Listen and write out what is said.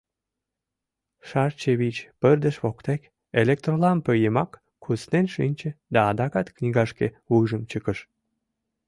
Шарчевич, пырдыж воктек, электролампе йымак, куснен шинче да адакат книгашке вуйжым чыкыш.